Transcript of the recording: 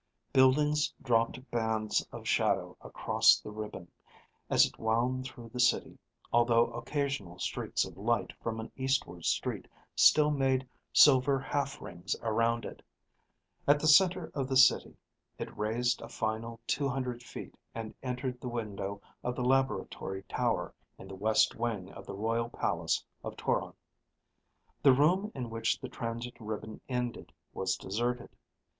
Buildings dropped bands of shadow across the ribbon, as it wound through the city, although occasional streaks of light from an eastward street still made silver half rings around it. At the center of the city it raised a final two hundred feet and entered the window of the laboratory tower in the west wing of the royal palace of Toron. The room in which the transit ribbon ended was deserted.